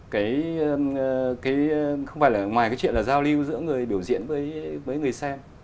cái không phải là ngoài cái chuyện là giao lưu giữa người biểu diễn với người xem